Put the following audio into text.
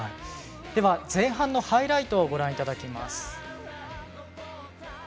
では前半のハイライトをご覧いただきます。